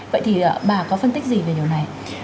vậy thì bà có phân tích gì về điều này